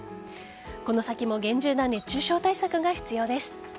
この先も厳重な熱中症対策が必要です。